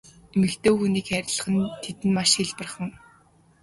Эмэгтэй хүнийг хайрлах нь тэдэнд маш хялбархан.